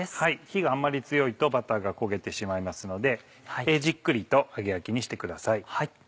火があんまり強いとバターが焦げてしまいますのでじっくりと揚げ焼きにしてください。